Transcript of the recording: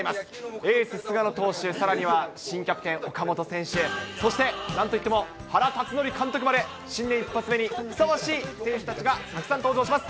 エース、菅野投手、さらには新キャプテン、岡本選手、そして、なんといっても原辰徳監督まで、新年一発目にふさわしい選手たちがたくさん登場します。